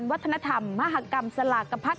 วัฒนธรรมมหากรรมสลากกระพัด